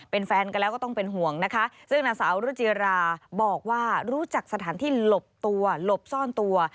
เป็นแฟนกันแล้วก็ต้องเป็นห่วงนะคะซึ่งนางสาวรุจิราบอกว่ารู้จักสถานที่หลบตัวหลบซ่อนตัว